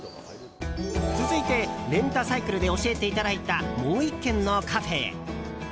続いて、レンタサイクルで教えていただいたもう１軒のカフェへ。